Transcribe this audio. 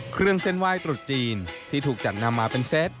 เครื่องเส้นไหว้ตรุษจีนที่ถูกจัดนำมาเป็นเซต